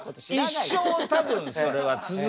一生多分それは続くよ。